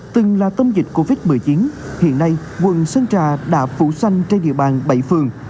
từng là tâm dịch covid một mươi chín hiện nay quận sơn trà đã phủ xanh trên địa bàn bảy phường